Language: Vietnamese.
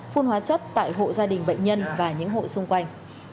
phun hóa chất tại hộ gia đình bệnh nhân và những hộ xung quanh